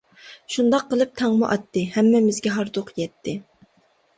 شۇنداق قىلىپ تاڭمۇ ئاتتى، ھەممىمىزگە ھاردۇق يەتتى.